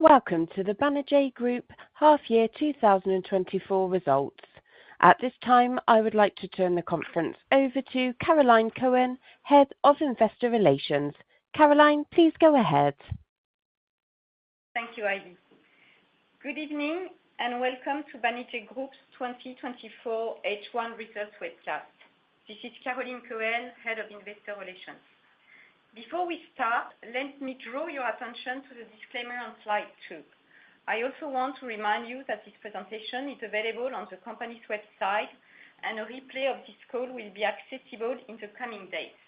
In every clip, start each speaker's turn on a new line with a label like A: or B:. A: Welcome to the Banijay Group half-year 2024 results. At this time, I would like to turn the conference over to Caroline Cohen, Head of Investor Relations. Caroline, please go ahead.
B: Thank you, Aidan. Good evening and welcome to Banijay Group's 2024 H1 Results webcast. This is Caroline Cohen, head of investor relations. Before we start, let me draw your attention to the disclaimer on slide two. I also want to remind you that this presentation is available on the company's website, and a replay of this call will be accessible in the coming days.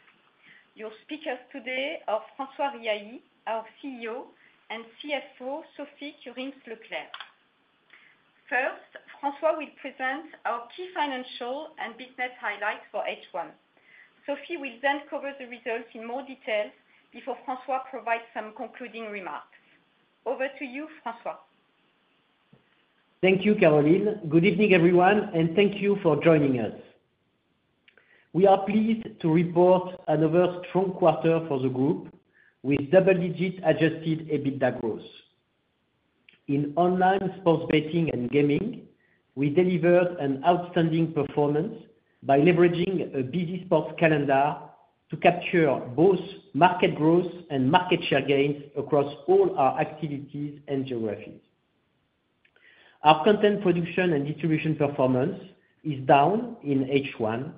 B: Your speakers today are François Riahi, our CEO, and CFO Sophie Kurinckx-Leclerc. First, François will present our key financial and business highlights for H1. Sophie will then cover the results in more detail before François provides some concluding remarks. Over to you, François.
C: Thank you, Caroline. Good evening, everyone, and thank you for joining us. We are pleased to report another strong quarter for the group with double-digit adjusted EBITDA growth. In online sports betting and gaming, we delivered an outstanding performance by leveraging a busy sports calendar to capture both market growth and market share gains across all our activities and geographies. Our content production and distribution performance is down in H1,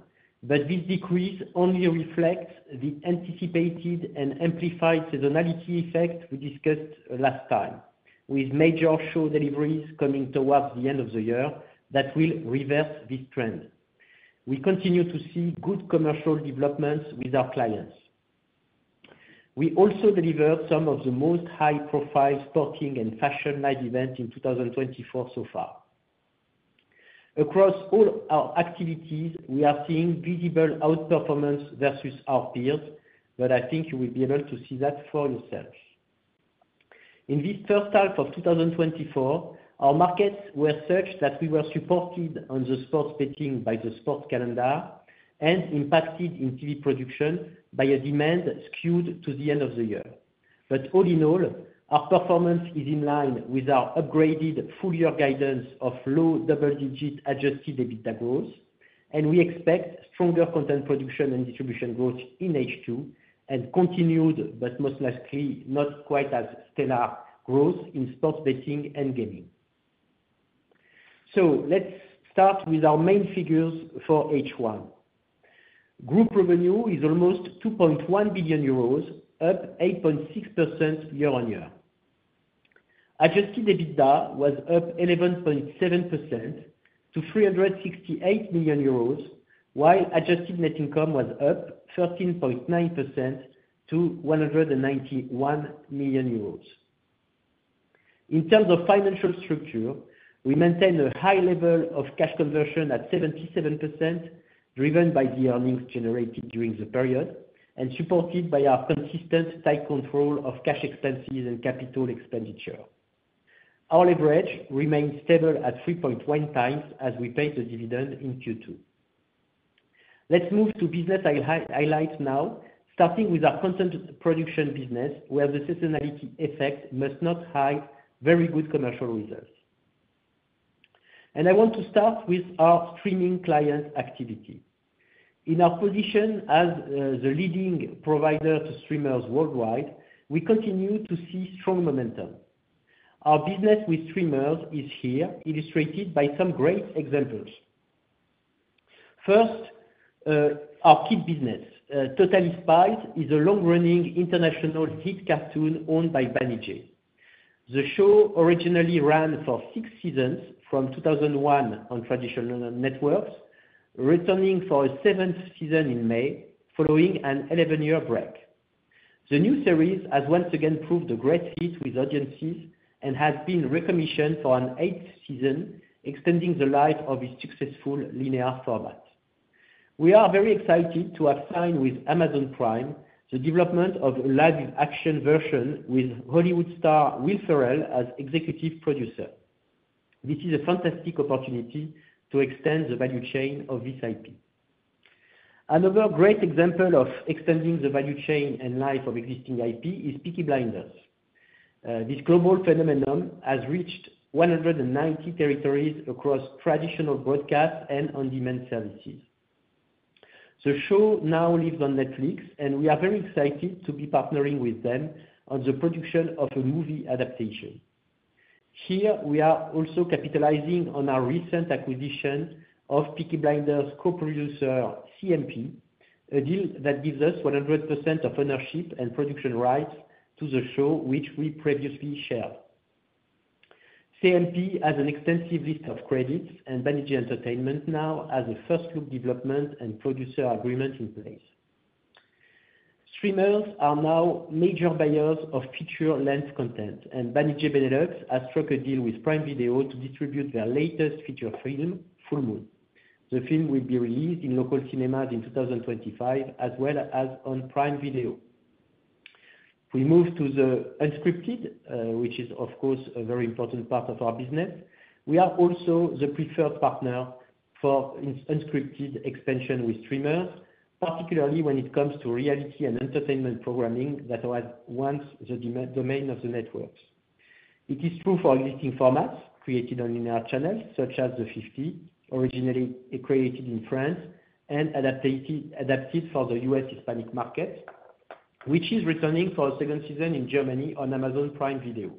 C: but this decrease only reflects the anticipated and amplified seasonality effect we discussed last time, with major show deliveries coming towards the end of the year that will reverse this trend. We continue to see good commercial developments with our clients. We also delivered some of the most high-profile sporting and fashion live events in 2024 so far. Across all our activities, we are seeing visible outperformance versus our peers, but I think you will be able to see that for yourself. In this H1 of 2024, our markets were such that we were supported on the sports betting by the sports calendar and impacted in TV production by a demand skewed to the end of the year. But all in all, our performance is in line with our upgraded full-year guidance of low double-digit Adjusted EBITDA growth, and we expect stronger content production and distribution growth in H2 and continued, but most likely not quite as stellar, growth in sports betting and gaming. Let's start with our main figures for H1. Group revenue is almost 2.1 billion euros, up 8.6% year-on-year. Adjusted EBITDA was up 11.7% to 368 million euros, while adjusted net income was up 13.9% to 191 million euros. In terms of financial structure, we maintain a high level of cash conversion at 77%, driven by the earnings generated during the period and supported by our consistent tight control of cash expenses and capital expenditure. Our leverage remains stable at 3.1 times as we pay the dividend in Q2. Let's move to business highlights now, starting with our content production business, where the seasonality effect must not hide very good commercial results. And I want to start with our streaming client activity. In our position as the leading provider to streamers worldwide, we continue to see strong momentum. Our business with streamers is here, illustrated by some great examples. First, our kids business, Totally Spies, is a long-running international hit cartoon owned by Banijay. The show originally ran for six seasons from 2001 on traditional networks, returning for a seventh season in May, following an 11-year break. The new series has once again proved a great hit with audiences and has been recommissioned for an eighth season, extending the life of its successful linear format. We are very excited to have signed with Amazon Prime the development of a live action version with Hollywood star Will Ferrell as executive producer. This is a fantastic opportunity to extend the value chain of this IP. Another great example of extending the value chain and life of existing IP is Peaky Blinders. This global phenomenon has reached 190 territories across traditional broadcast and on-demand services. The show now lives on Netflix, and we are very excited to be partnering with them on the production of a movie adaptation. Here, we are also capitalizing on our recent acquisition of Peaky Blinders' co-producer, CMP, a deal that gives us 100% of ownership and production rights to the show, which we previously shared. CMP has an extensive list of credits, and Banijay Entertainment now has a first-look development and producer agreement in place. Streamers are now major buyers of feature-length content, and Banijay Benelux has struck a deal with Prime Video to distribute their latest feature film, Full Moon. The film will be released in local cinemas in 2025, as well as on Prime Video. We move to the unscripted, which is, of course, a very important part of our business. We are also the preferred partner for unscripted expansion with streamers, particularly when it comes to reality and entertainment programming that was once the domain of the networks. It is true for existing formats created on linear channels, such as The 50, originally created in France and adapted for the U.S. Hispanic market, which is returning for a second season in Germany on Amazon Prime Video.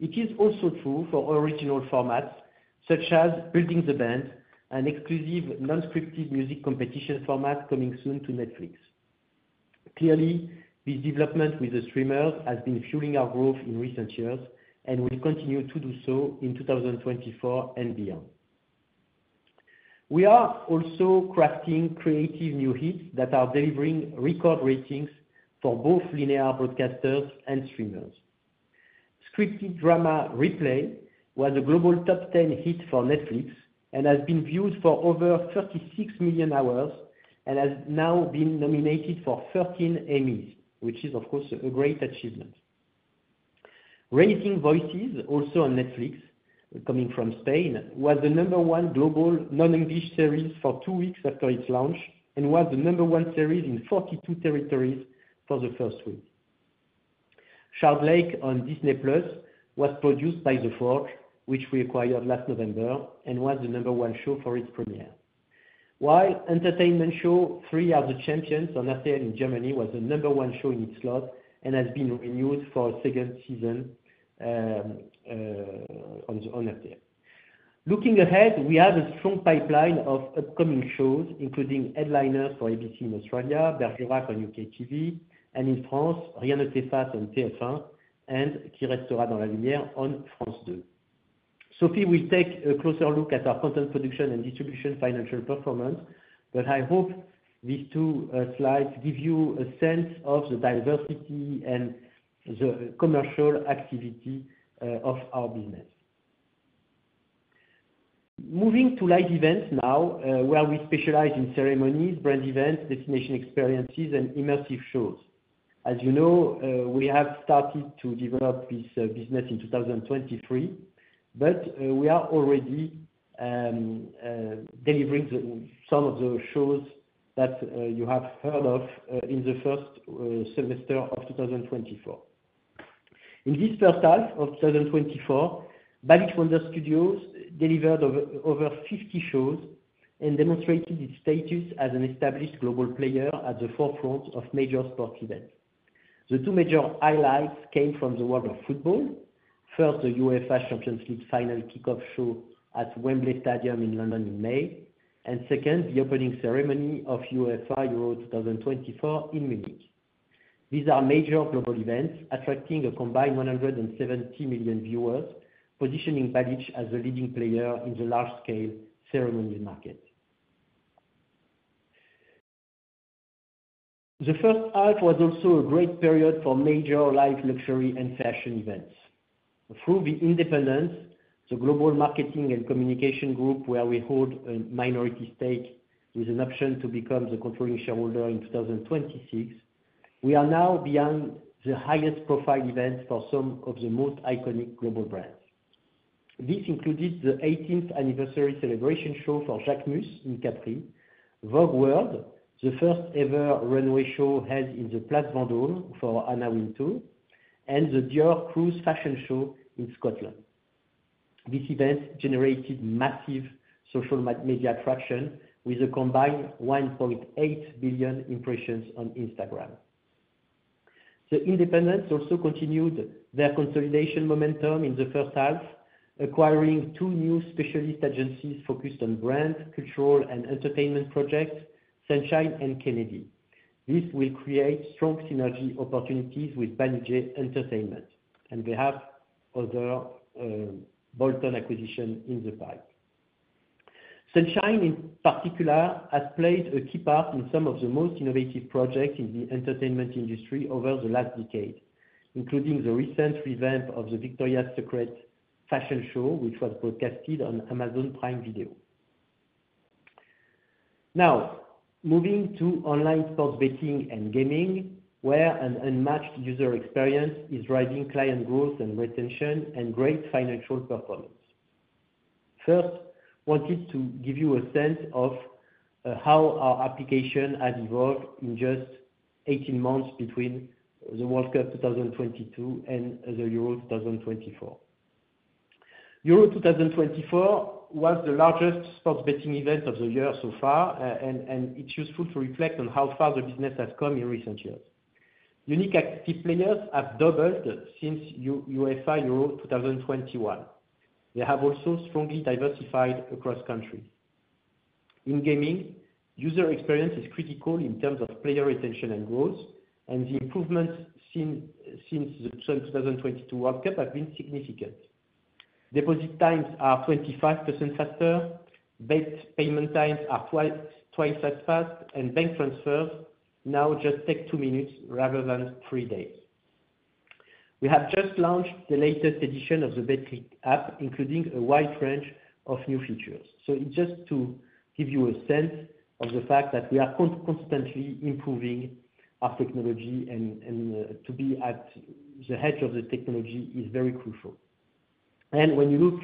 C: It is also true for original formats, such as Building the Band, an exclusive non-scripted music competition format coming soon to Netflix. Clearly, this development with the streamers has been fueling our growth in recent years and will continue to do so in 2024 and beyond. We are also crafting creative new hits that are delivering record ratings for both linear broadcasters and streamers. Scripted drama Ripley was a global top 10 hit for Netflix and has been viewed for over 36 million hours and has now been nominated for 13 Emmys, which is, of course, a great achievement. Raising Voices, also on Netflix, coming from Spain, was the number one global non-English series for two weeks after its launch and was the number one series in 42 territories for the first week. Shardlake on Disney+ was produced by The Forge, which we acquired last November and was the number one show for its premiere. While entertainment show Three Are The Champions on ATL in Germany was the number one show in its slot and has been renewed for a second season on ATL. Looking ahead, we have a strong pipeline of upcoming shows, including Headliners for ABC in Australia, Bergerac on UKTV, and in France, Rien Ne T'Efface on TF1, and Qui Restera dans la Lumière on France 2. Sophie will take a closer look at our content production and distribution financial performance, but I hope these two slides give you a sense of the diversity and the commercial activity of our business. Moving to live events now, where we specialize in ceremonies, brand events, destination experiences, and immersive shows. As you know, we have started to develop this business in 2023, but we are already delivering some of the shows that you have heard of in the first semester of 2024. In this first half of 2024, Balich Wonder Studios delivered over 50 shows and demonstrated its status as an established global player at the forefront of major sports events. The two major highlights came from the world of football. First, the UEFA Champions League Final Kickoff Show at Wembley Stadium in London in May, and second, the opening ceremony of UEFA Euro 2024 in Munich. These are major global events attracting a combined 170 million viewers, positioning Banijay as a leading player in the large-scale ceremonial market. The first half was also a great period for major live luxury and fashion events. Through The Independents, the global marketing and communication group where we hold a minority stake with an option to become the controlling shareholder in 2026, we are now beyond the highest-profile events for some of the most iconic global brands. This included the 18th anniversary celebration show for Jacquemus in Capri, Vogue World, the first-ever runway show held in the Place Vendôme for Anna Wintour, and the Dior Cruise fashion show in Scotland. This event generated massive social media traction with a combined 1.8 billion impressions on Instagram. The Independents also continued their consolidation momentum in the first half, acquiring two new specialist agencies focused on brand, cultural, and entertainment projects, Sunshine and Kennedy. This will create strong synergy opportunities with Banijay Entertainment, and they have other bolt-on acquisitions in the pipe. Sunshine, in particular, has played a key part in some of the most innovative projects in the entertainment industry over the last decade, including the recent revamp of the Victoria's Secret Fashion Show, which was broadcasted on Amazon Prime Video. Now, moving to online sports betting and gaming, where an unmatched user experience is driving client growth and retention and great financial performance. First, I wanted to give you a sense of how our application has evolved in just 18 months between the World Cup 2022 and the Euro 2024. Euro 2024 was the largest sports betting event of the year so far, and it's useful to reflect on how far the business has come in recent years. Unique active players have doubled since UEFA Euro 2021. They have also strongly diversified across countries. In gaming, user experience is critical in terms of player retention and growth, and the improvements since the 2022 World Cup have been significant. Deposit times are 25% faster, bet payment times are twice as fast, and bank transfers now just take two minutes rather than three days. We have just launched the latest edition of the Betclic app, including a wide range of new features. It's just to give you a sense of the fact that we are constantly improving our technology, and to be at the edge of the technology is very crucial. When you look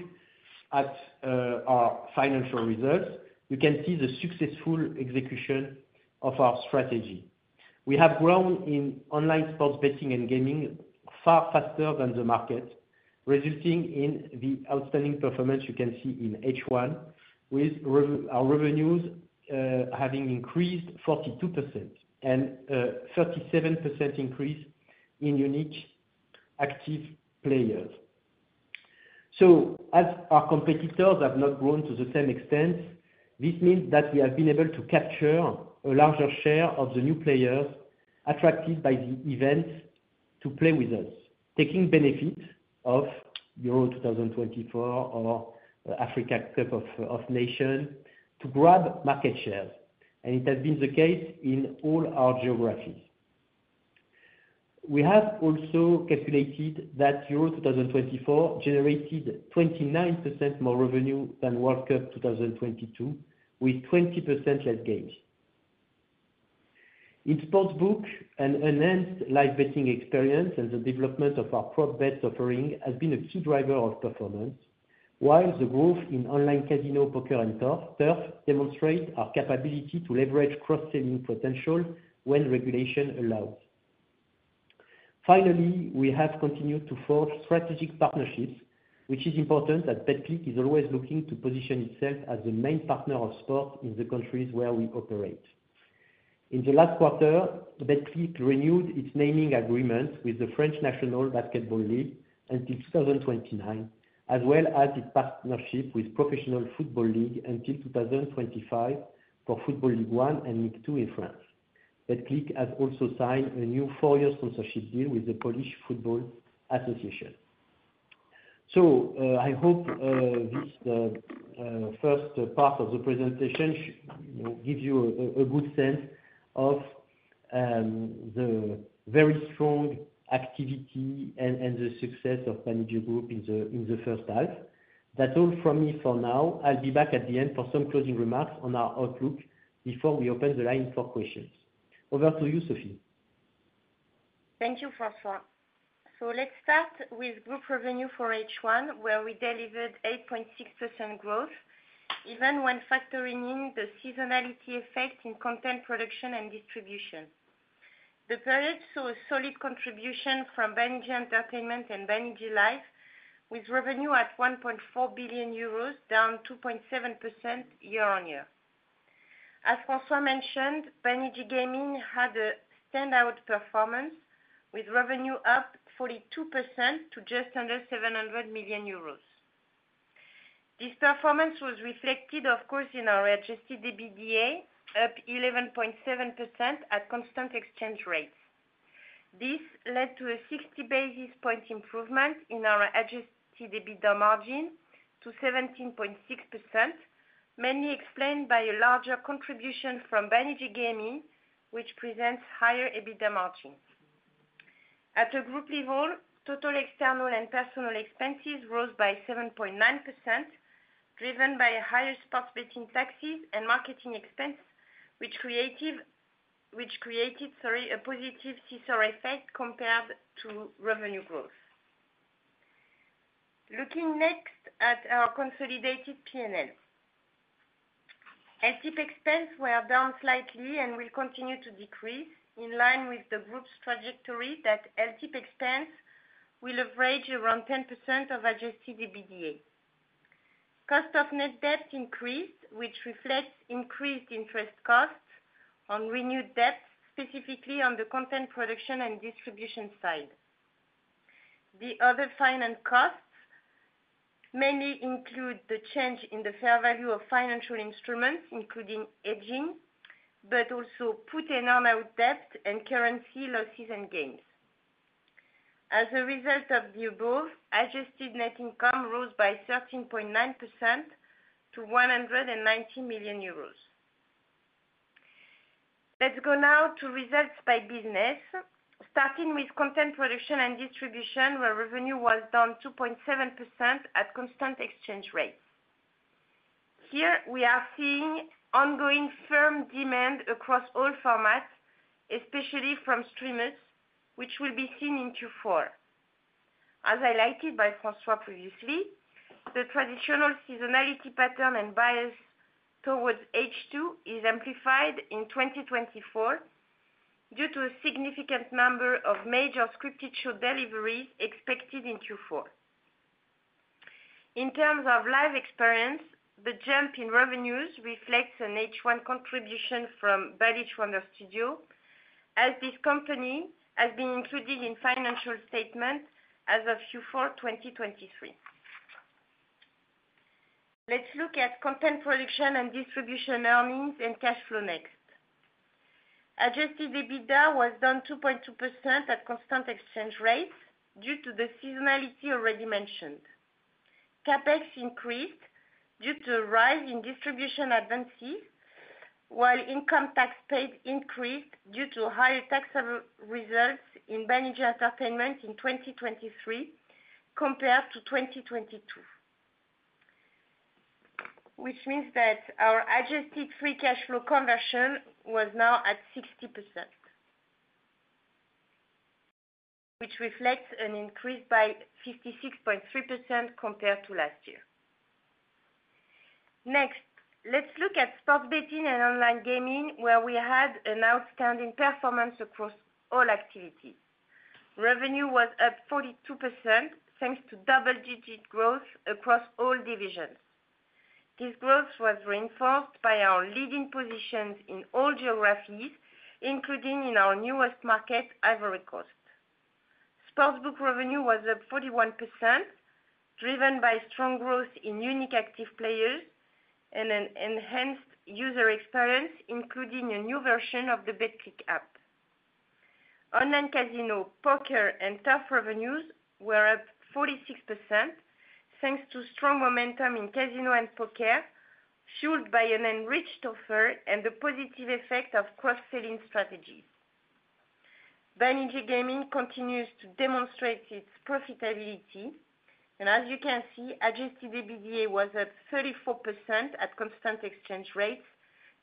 C: at our financial results, you can see the successful execution of our strategy. We have grown in online sports betting and gaming far faster than the market, resulting in the outstanding performance you can see in H1, with our revenues having increased 42% and a 37% increase in unique active players. So, as our competitors have not grown to the same extent, this means that we have been able to capture a larger share of the new players attracted by the events to play with us, taking benefit of Euro 2024 or Africa Cup of Nations to grab market shares, and it has been the case in all our geographies. We have also calculated that Euro 2024 generated 29% more revenue than World Cup 2022, with 20% less games. In sportsbook, an enhanced live betting experience and the development of our prop bets offering have been a key driver of performance, while the growth in online casino, poker, and turf demonstrates our capability to leverage cross-selling potential when regulation allows. Finally, we have continued to forge strategic partnerships, which is important as Betclic is always looking to position itself as the main partner of sport in the countries where we operate. In the last quarter, Betclic renewed its naming agreement with the French National Basketball League until 2029, as well as its partnership with the Professional Football League until 2025 for Football Ligue 1 and Ligue 2 in France. Betclic has also signed a new four-year sponsorship deal with the Polish Football Association. So, I hope this first part of the presentation gives you a good sense of the very strong activity and the success of Banijay Group in the first half. That's all from me for now. I'll be back at the end for some closing remarks on our outlook before we open the line for questions. Over to you, Sophie.
D: Thank you, François. So, let's start with group revenue for H1, where we delivered 8.6% growth, even when factoring in the seasonality effect in content production and distribution. The period saw a solid contribution from Banijay Entertainment and Banijay Live, with revenue at 1.4 billion euros, down 2.7% year-on-year. As François mentioned, Banijay Gaming had a standout performance, with revenue up 42% to just under 700 million euros. This performance was reflected, of course, in our adjusted EBITDA, up 11.7% at constant exchange rates. This led to a 60 basis points improvement in our Adjusted EBITDA margin to 17.6%, mainly explained by a larger contribution from Banijay Gaming, which presents higher EBITDA margins. At the group level, total external and personal expenses rose by 7.9%, driven by higher sports betting taxes and marketing expenses, which created a positive seesaw effect compared to revenue growth. Looking next at our consolidated P&L, LTIP expenses were down slightly and will continue to decrease, in line with the group's trajectory that LTIP expenses will average around 10% of adjusted EBITDA. Cost of net debt increased, which reflects increased interest costs on renewed debt, specifically on the content production and distribution side. The other finance costs mainly include the change in the fair value of financial instruments, including hedging, but also put and earnout debt and currency losses and gains. As a result of the above, adjusted net income rose by 13.9% to 190 million euros. Let's go now to results by business, starting with content production and distribution, where revenue was down 2.7% at constant exchange rates. Here, we are seeing ongoing firm demand across all formats, especially from streamers, which will be seen in Q4. As highlighted by François previously, the traditional seasonality pattern and bias towards H2 is amplified in 2024 due to a significant number of major scripted show deliveries expected in Q4. In terms of live experience, the jump in revenues reflects an H1 contribution from Balich Wonder Studios, as this company has been included in financial statements as of Q4 2023. Let's look at content production and distribution earnings and cash flow next. Adjusted EBITDA was down 2.2% at constant exchange rates due to the seasonality already mentioned. CapEx increased due to a rise in distribution advances, while income tax paid increased due to higher taxable results in Banijay Entertainment in 2023 compared to 2022, which means that our adjusted free cash flow conversion was now at 60%, which reflects an increase by 56.3% compared to last year. Next, let's look at sports betting and online gaming, where we had an outstanding performance across all activities. Revenue was up 42%, thanks to double-digit growth across all divisions. This growth was reinforced by our leading positions in all geographies, including in our newest market, Ivory Coast. Sportsbook revenue was up 41%, driven by strong growth in unique active players and an enhanced user experience, including a new version of the Betclic app. Online casino, poker, and turf revenues were up 46%, thanks to strong momentum in casino and poker, fueled by an enriched offer and the positive effect of cross-selling strategies. Banijay Gaming continues to demonstrate its profitability, and as you can see, Adjusted EBITDA was up 34% at constant exchange rates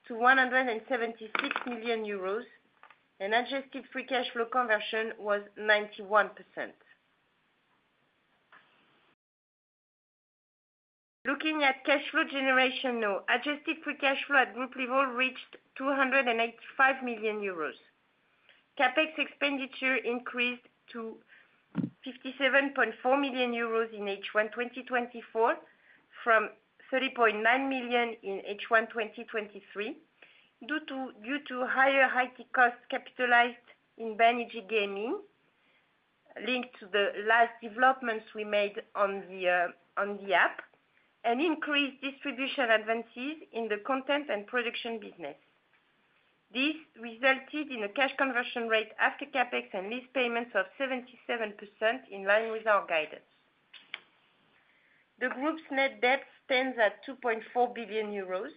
D: to 176 million euros, and adjusted free cash flow conversion was 91%. Looking at cash flow generation now, adjusted free cash flow at group level reached 285 million euros. CapEx expenditure increased to 57.4 million euros in H1 2024 from 30.9 million in H1 2023 due to higher IT costs capitalized in Banijay Gaming, linked to the last developments we made on the app, and increased distribution advances in the content and production business. This resulted in a cash conversion rate after CapEx and lease payments of 77%, in line with our guidance. The group's net debt stands at 2.4 billion euros.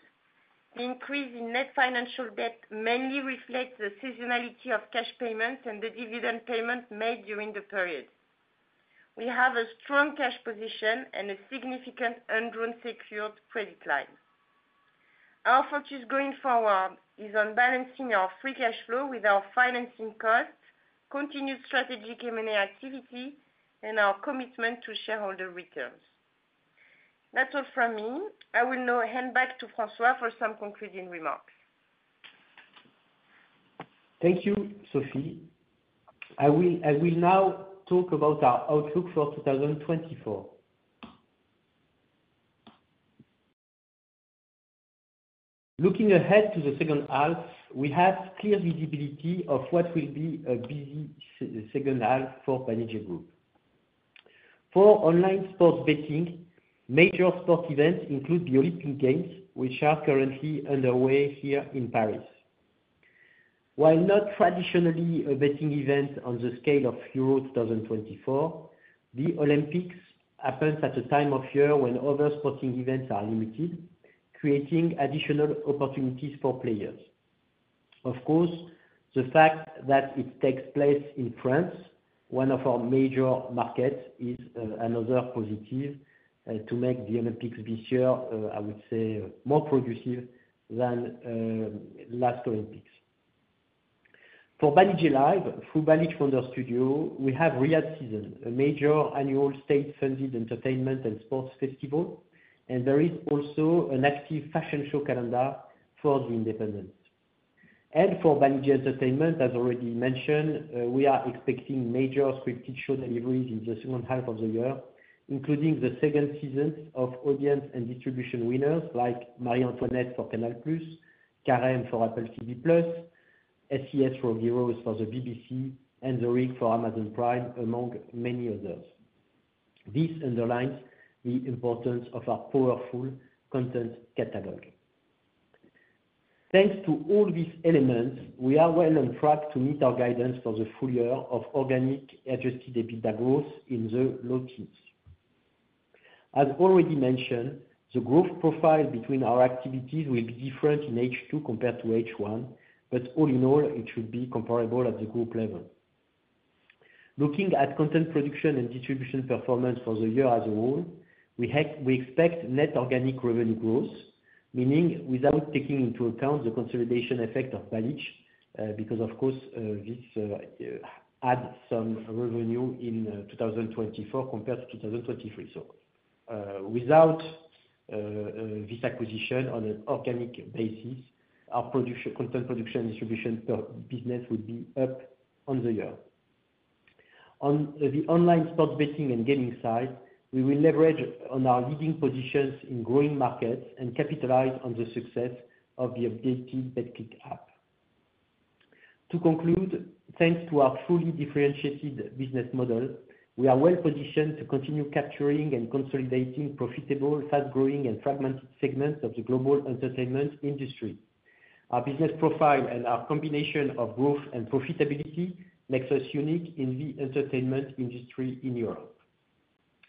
D: The increase in net financial debt mainly reflects the seasonality of cash payments and the dividend payments made during the period. We have a strong cash position and a significant undrawn secured credit line. Our focus going forward is on balancing our free cash flow with our financing costs, continued strategic M&A activity, and our commitment to shareholder returns. That's all from me. I will now hand back to François for some concluding remarks.
C: Thank you, Sophie. I will now talk about our outlook for 2024. Looking ahead to the second half, we have clear visibility of what will be a busy second half for Banijay Group. For online sports betting, major sports events include the Olympic Games, which are currently underway here in Paris. While not traditionally a betting event on the scale of Euro 2024, the Olympics happens at a time of year when other sporting events are limited, creating additional opportunities for players. Of course, the fact that it takes place in France, one of our major markets, is another positive to make the Olympics this year, I would say, more productive than last Olympics. For Banijay Live, through Balich Wonder Studios, we have Riyadh Season, a major annual state-funded entertainment and sports festival, and there is also an active fashion show calendar for The Independents. For Banijay Entertainment, as already mentioned, we are expecting major scripted show deliveries in the second half of the year, including the second seasons of audience and distribution winners like Marie Antoinette for Canal+, Carême for Apple TV+, SAS Rogue Heroes for the BBC, and The Rig for Amazon Prime, among many others. This underlines the importance of our powerful content catalog. Thanks to all these elements, we are well on track to meet our guidance for the full year of organic adjusted EBITDA growth in the low teens. As already mentioned, the growth profile between our activities will be different in H2 compared to H1, but all in all, it should be comparable at the group level. Looking at content production and distribution performance for the year as a whole, we expect net organic revenue growth, meaning without taking into account the consolidation effect of Banijay because, of course, this adds some revenue in 2024 compared to 2023. So, without this acquisition on an organic basis, our content production and distribution business would be up on the year. On the online sports betting and gaming side, we will leverage on our leading positions in growing markets and capitalize on the success of the updated Betclic app. To conclude, thanks to our truly differentiated business model, we are well positioned to continue capturing and consolidating profitable, fast-growing, and fragmented segments of the global entertainment industry. Our business profile and our combination of growth and profitability makes us unique in the entertainment industry in Europe.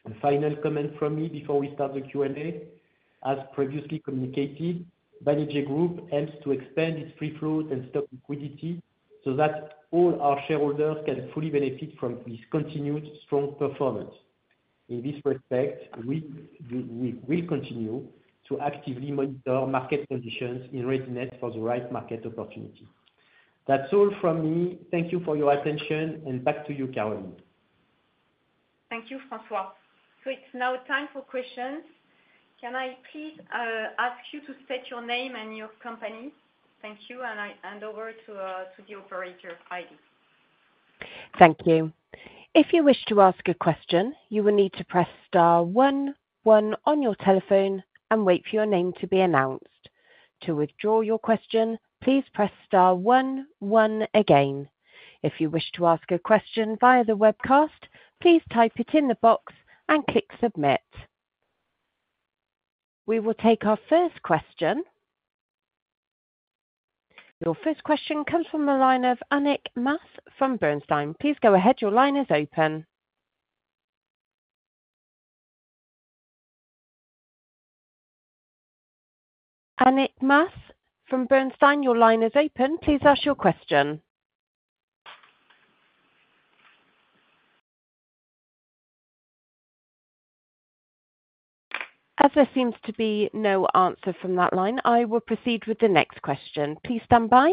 C: A final comment from me before we start the Q&A. As previously communicated, Banijay Group aims to expand its free float and stock liquidity so that all our shareholders can fully benefit from this continued strong performance. In this respect, we will continue to actively monitor market conditions in readiness for the right market opportunity. That's all from me. Thank you for your attention, and back to you, Caroline.
B: Thank you, François. It's now time for questions. Can I please ask you to state your name and your company? Thank you, and I hand over to the operator, Heidi.
A: Thank you. If you wish to ask a question, you will need to press star one one on your telephone and wait for your name to be announced. To withdraw your question, please press star one one again. If you wish to ask a question via the webcast, please type it in the box and click submit. We will take our first question. Your first question comes from the line of Annick Maas from Bernstein. Please go ahead. Your line is open. Annick Maas from Bernstein, your line is open. Please ask your question. As there seems to be no answer from that line, I will proceed with the next question. Please stand by.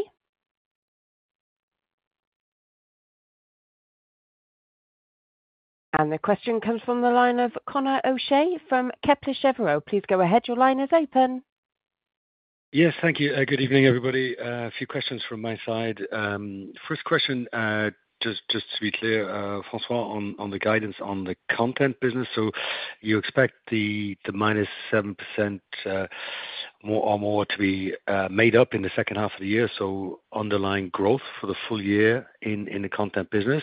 A: And the question comes from the line of Conor O'Shea from Kepler Cheuvreux. Please go ahead. Your line is open.
E: Yes, thank you. Good evening, everybody. A few questions from my side. First question, just to be clear, François, on the guidance on the content business. So, you expect the -7% or more to be made up in the second half of the year. So, underlying growth for the full year in the content business,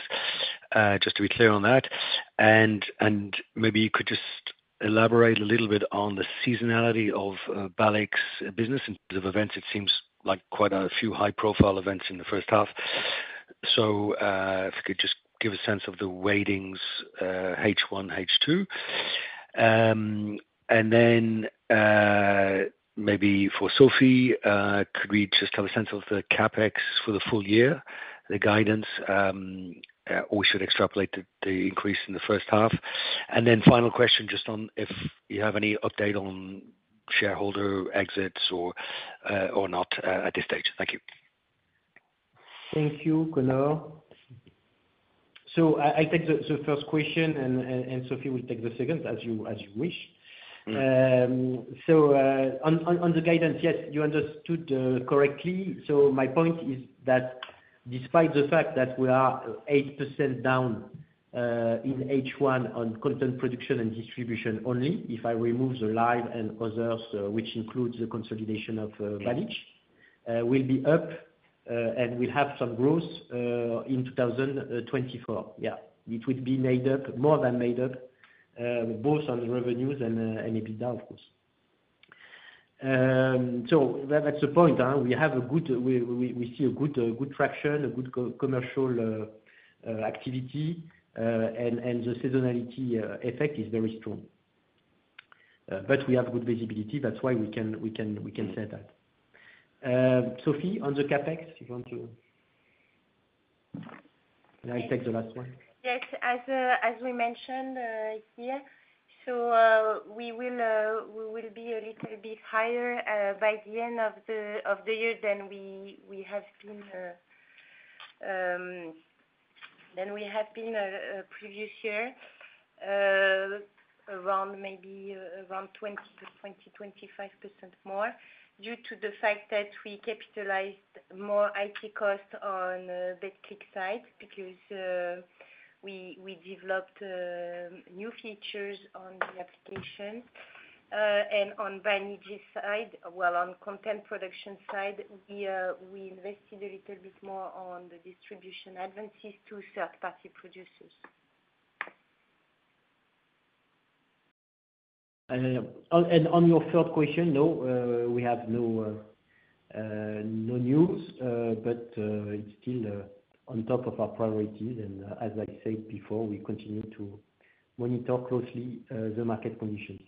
E: just to be clear on that. And maybe you could just elaborate a little bit on the seasonality of Balich's business in terms of events. It seems like quite a few high-profile events in the first half. So, if you could just give a sense of the weightings H1, H2. And then maybe for Sophie, could we just have a sense of the CapEx for the full year, the guidance, or we should extrapolate the increase in the first half? And then final question, just on if you have any update on shareholder exits or not at this stage. Thank you.
C: Thank you, Conor. So, I'll take the first question, and Sophie will take the second as you wish. So, on the guidance, yes, you understood correctly. So, my point is that despite the fact that we are 8% down in H1 on content production and distribution only, if I remove the live and others, which includes the consolidation of Balich, we'll be up and we'll have some growth in 2024. Yeah, it would be made up, more than made up, both on revenues and EBITDA, of course. So, that's the point. We have a good, we see a good traction, a good commercial activity, and the seasonality effect is very strong. But we have good visibility. That's why we can say that. Sophie, on the CapEx, you want to? And I'll take the last one.
D: Yes, as we mentioned here, so we will be a little bit higher by the end of the year than we have been previous year, around maybe 20%-25% more due to the fact that we capitalized more IT costs on the Betclic side because we developed new features on the application. And on Banijay's side, well, on content production side, we invested a little bit more on the distribution advances to third-party producers.
C: And on your third question, no, we have no news, but it's still on top of our priorities. As I said before, we continue to monitor closely the market conditions.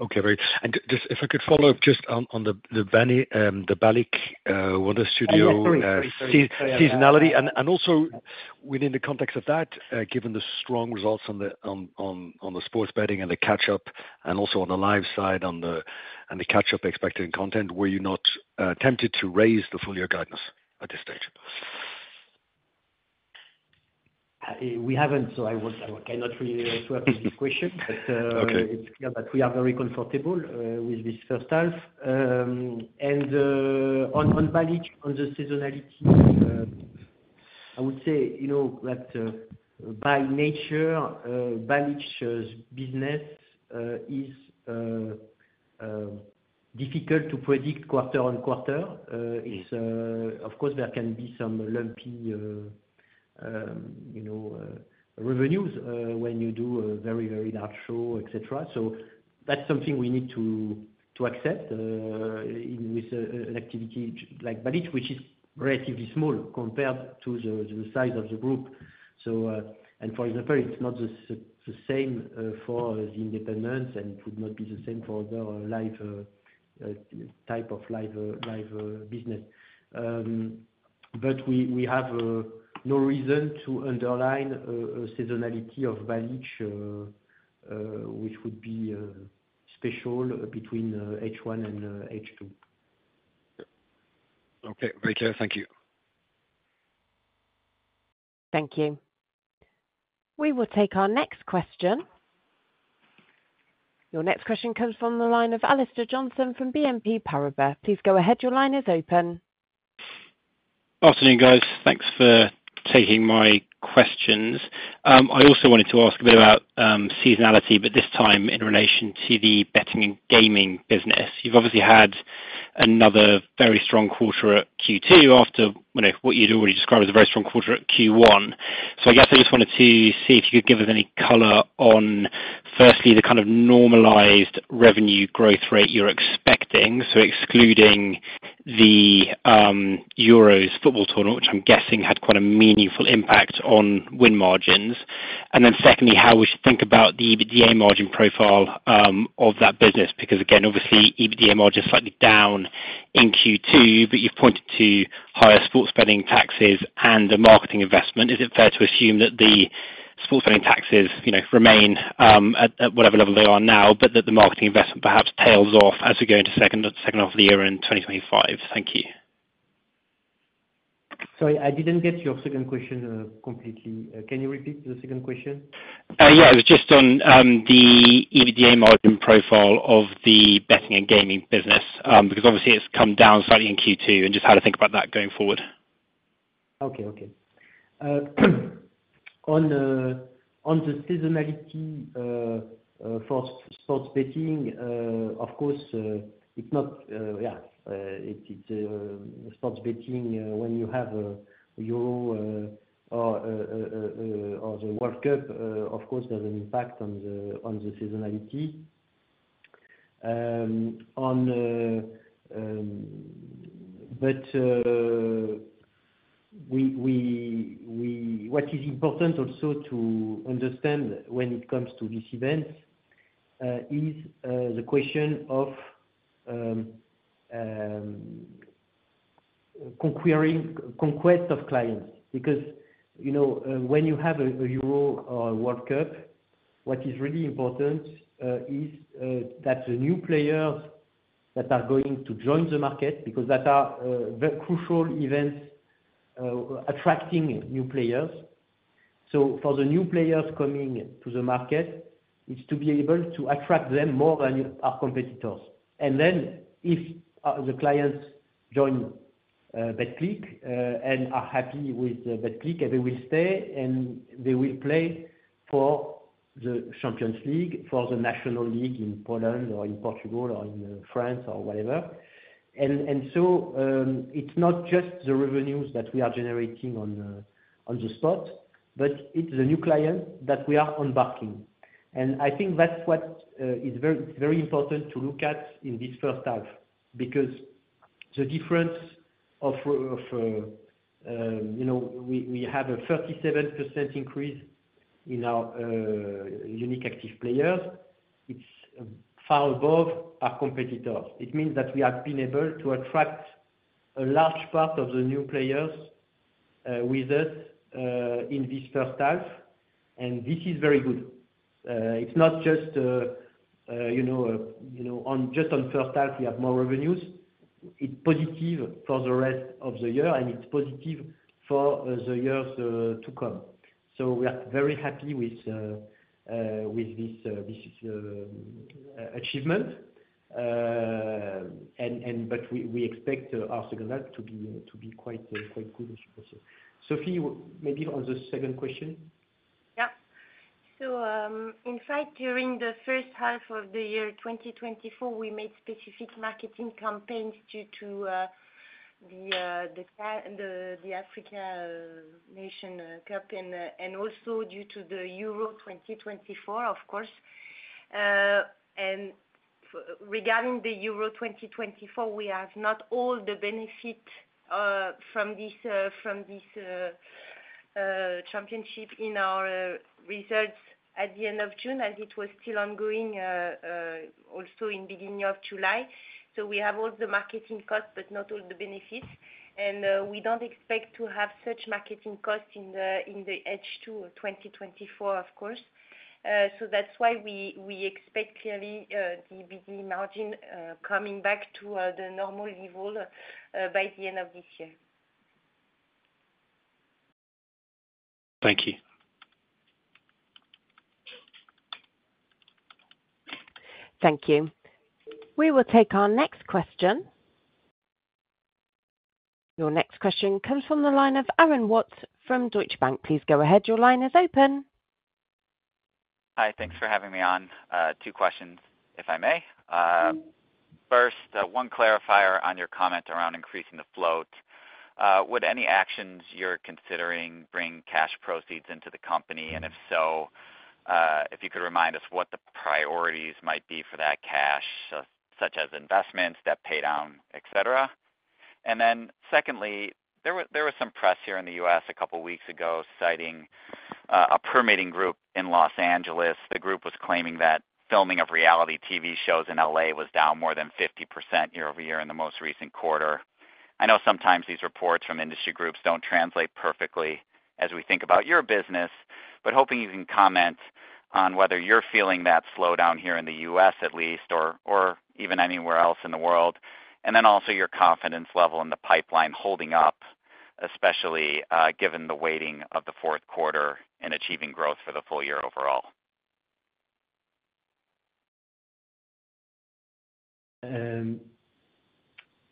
E: Okay, great. Just if I could follow up just on the Balich Wonder Studios seasonality. And also, within the context of that, given the strong results on the sports betting and the catch-up, and also on the live side and the catch-up expected in content, were you not tempted to raise the full-year guidance at this stage?
C: We haven't, so I cannot really answer this question.
E: Okay.
C: But it's clear that we are very comfortable with this first half. On Balich, on the seasonality, I would say that by nature, Balich's business is difficult to predict quarter-on-quarter. Of course, there can be some lumpy revenues when you do a very, very large show, etc. So, that's something we need to accept with an activity like Balich, which is relatively small compared to the size of the group. So, and for example, it's not the same for the Independents and would not be the same for other type of live business. But we have no reason to underline a seasonality of Balich, which would be special between H1 and H2.
E: Okay, very clear. Thank you.
A: Thank you. We will take our next question. Your next question comes from the line of Alistair Johnson from BNP Paribas. Please go ahead. Your line is open.
F: Afternoon, guys. Thanks for taking my questions. I also wanted to ask a bit about seasonality, but this time in relation to the betting and gaming business. You've obviously had another very strong quarter at Q2 after what you'd already described as a very strong quarter at Q1. So, I guess I just wanted to see if you could give us any color on, firstly, the kind of normalized revenue growth rate you're expecting, so excluding the Euros football tournament, which I'm guessing had quite a meaningful impact on win margins. And then secondly, how would you think about the EBITDA margin profile of that business? Because, again, obviously, EBITDA margin is slightly down in Q2, but you've pointed to higher sports betting taxes and a marketing investment. Is it fair to assume that the sports betting taxes remain at whatever level they are now, but that the marketing investment perhaps tails off as we go into the second half of the year in 2025? Thank you.
C: Sorry, I didn't get your second question completely. Can you repeat the second question?
F: Yeah, it was just on the EBITDA margin profile of the betting and gaming business because obviously, it's come down slightly in Q2. And just how to think about that going forward.
C: Okay, okay. On the seasonality for sports betting, of course, it's not yeah, it's sports betting when you have a Euro or the World Cup, of course, does an impact on the seasonality. But what is important also to understand when it comes to these events is the question of conquest of clients. Because when you have a Euro or a World Cup, what is really important is that the new players that are going to join the market, because that are very crucial events attracting new players. So, for the new players coming to the market, it's to be able to attract them more than our competitors. And then if the clients join Betclic and are happy with Betclic, they will stay and they will play for the Champions League, for the National League in Poland or in Portugal or in France or whatever. And so, it's not just the revenues that we are generating on the spot, but it's the new clients that we are embarking. And I think that's what is very important to look at in this first half because the difference of, we have a 37% increase in our unique active players. It's far above our competitors. It means that we have been able to attract a large part of the new players with us in this first half, and this is very good. It's not just on first half, we have more revenues. It's positive for the rest of the year, and it's positive for the years to come. So, we are very happy with this achievement, but we expect our second half to be quite good. Sophie, maybe on the second question?
D: Yeah. So, in fact, during the first half of the year 2024, we made specific marketing campaigns due to the Africa Nation Cup and also due to the Euro 2024, of course. And regarding the Euro 2024, we have not all the benefits from this championship in our results at the end of June, as it was still ongoing also in the beginning of July. So, we have all the marketing costs, but not all the benefits. And we don't expect to have such marketing costs in the H2 2024, of course. So, that's why we expect clearly the EBITDA margin coming back to the normal level by the end of this year.
F: Thank you.
A: Thank you. We will take our next question. Your next question comes from the line of Aaron Watts from Deutsche Bank. Please go ahead. Your line is open.
G: Hi, thanks for having me on. Two questions, if I may. First, one clarifier on your comment around increasing the float. Would any actions you're considering bring cash proceeds into the company? And if so, if you could remind us what the priorities might be for that cash, such as investments, debt paydown, etc. And then secondly, there was some press here in the U.S. a couple of weeks ago citing a permitting group in Los Angeles. The group was claiming that filming of reality TV shows in L.A. was down more than 50% year-over-year in the most recent quarter. I know sometimes these reports from industry groups don't translate perfectly as we think about your business, but hoping you can comment on whether you're feeling that slowdown here in the U.S., at least, or even anywhere else in the world. And then also your confidence level in the pipeline holding up, especially given the weighting of the fourth quarter and achieving growth for the full year overall.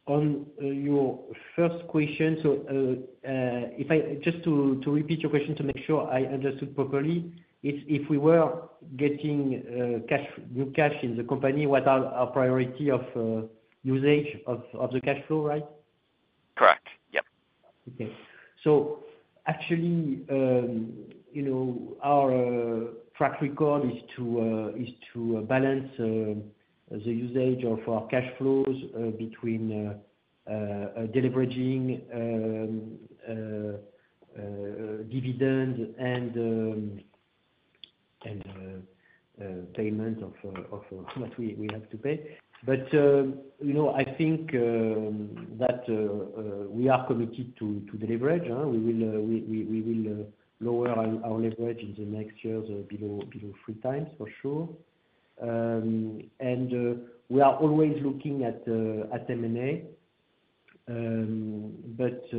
C: On your first question, so just to repeat your question to make sure I understood properly, if we were getting new cash in the company, what are our priorities of usage of the cash flow, right?
G: Correct. Yep.
C: Okay. So, actually, our track record is to balance the usage of our cash flows between delivering dividends and payment of what we have to pay. But I think that we are committed to deleverage. We will lower our leverage in the next year below three times, for sure. And we are always looking at M&A, but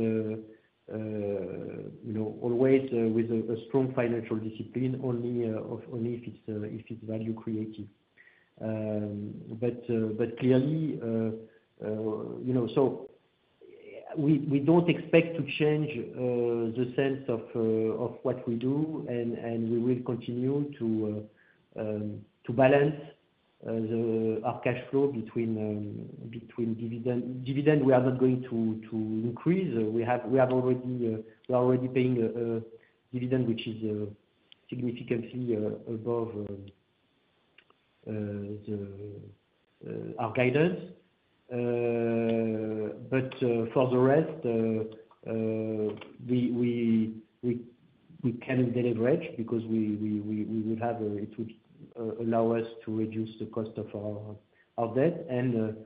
C: always with a strong financial discipline only if it's value-creative. But clearly, so we don't expect to change the sense of what we do, and we will continue to balance our cash flow between dividends. Dividend, we are not going to increase. We are already paying a dividend, which is significantly above our guidance. But for the rest, we can deleverage it because we will have it would allow us to reduce the cost of our debt, and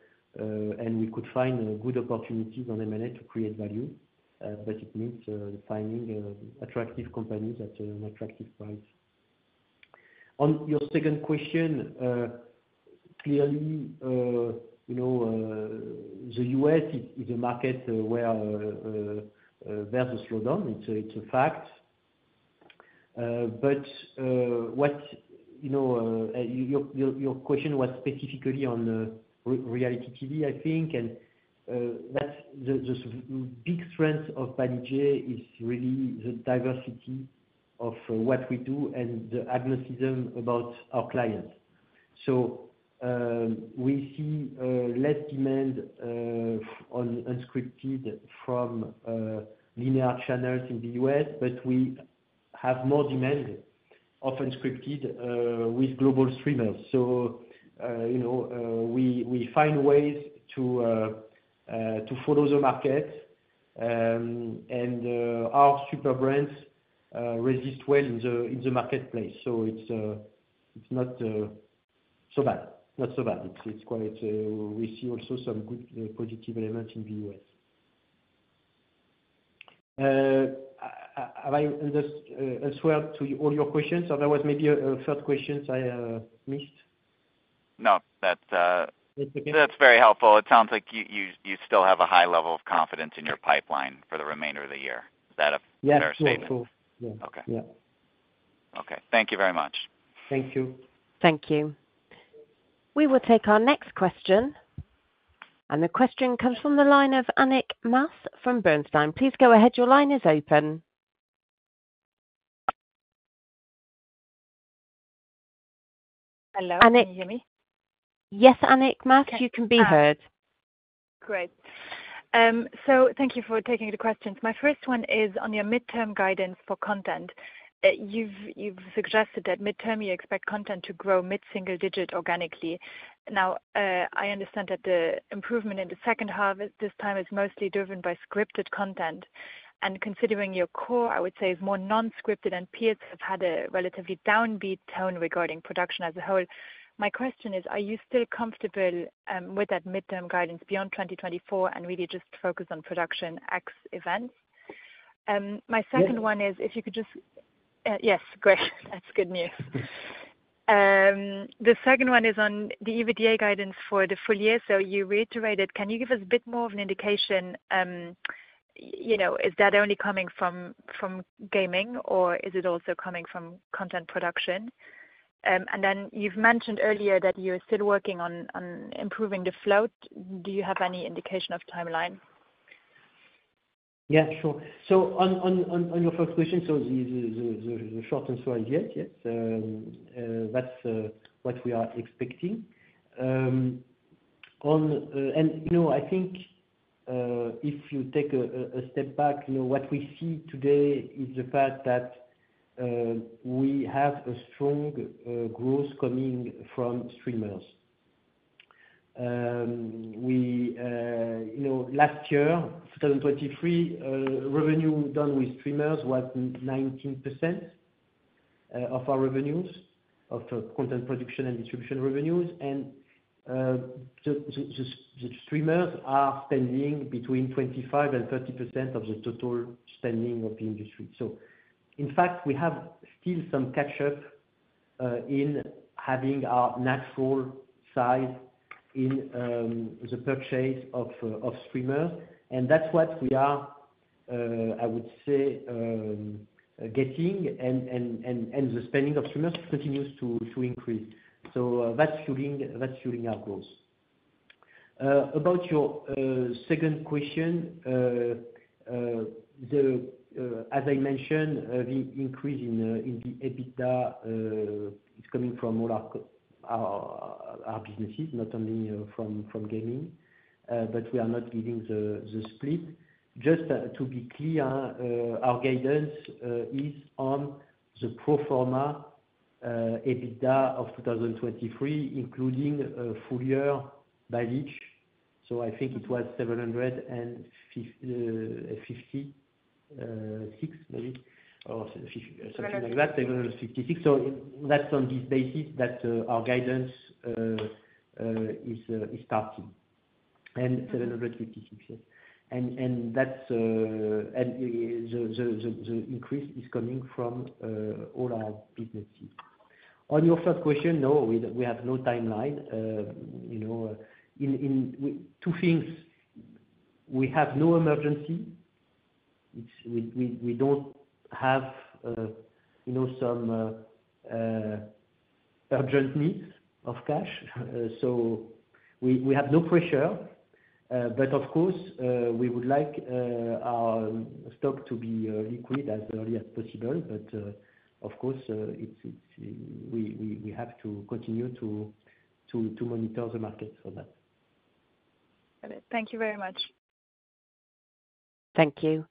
C: we could find good opportunities on M&A to create value. But it means finding attractive companies at an attractive price. On your second question, clearly, the U.S. is a market where there's a slowdown. It's a fact. But your question was specifically on reality TV, I think, and the big strength of Banijay is really the diversity of what we do and the agnosticism about our clients. So, we see less demand on unscripted from linear channels in the U.S., but we have more demand of unscripted with global streamers. So, we find ways to follow the market, and our super brands resist well in the marketplace. So, it's not so bad. Not so bad. We see also some good positive elements in the U.S. Have I answered all your questions? Otherwise, maybe a third question I missed.
G: No, that's very helpful. It sounds like you still have a high level of confidence in your pipeline for the remainder of the year. Is that a fair statement?
C: Yes, so far. Yeah.
G: Okay. Okay. Thank you very much.
C: Thank you.
A: Thank you. We will take our next question. And the question comes from the line of Annick Maas from Bernstein. Please go ahead. Your line is open.
H: Hello. Can you hear me?
A: Yes, Annick Maas. You can be heard.
H: Great. So, thank you for taking the questions. My first one is on your midterm guidance for content. You've suggested that midterm, you expect content to grow mid-single digit organically. Now, I understand that the improvement in the second half at this time is mostly driven by scripted content. And considering your core, I would say, is more non-scripted and peers have had a relatively downbeat tone regarding production as a whole. My question is, are you still comfortable with that midterm guidance beyond 2024 and really just focus on production x events? My second one is, if you could just.
C: Yes.
H: Yes? Great. That's good news. The second one is on the EBITDA guidance for the full year. So, you reiterated. Can you give us a bit more of an indication? Is that only coming from gaming, or is it also coming from content production? And then you've mentioned earlier that you're still working on improving the float. Do you have any indication of timeline?
C: Yeah, sure. So, on your first question, so the short answer is yes, yes. That's what we are expecting. And I think if you take a step back, what we see today is the fact that we have a strong growth coming from streamers. Last year, 2023, revenue done with streamers was 19% of our revenues, of content production and distribution revenues. And the streamers are spending between 25%30% of the total spending of the industry. So, in fact, we have still some catch-up in having our natural size in the purchase of streamers. And that's what we are, I would say, getting, and the spending of streamers continues to increase. So, that's fueling our growth. About your second question, as I mentioned, the increase in the EBITDA is coming from all our businesses, not only from gaming, but we are not giving the split. Just to be clear, our guidance is on the pro forma EBITDA of 2023, including full year by each. So, I think it was 756, maybe, or something like that, 756. So, that's on this basis that our guidance is starting. And EUR 756, yes. And the increase is coming from all our businesses. On your first question, no, we have no timeline. Two things. We have no emergency. We don't have some urgent needs of cash. So, we have no pressure. But of course, we would like our stock to be liquid as early as possible. But of course, we have to continue to monitor the market for that.
H: Got it. Thank you very much.
A: Thank you.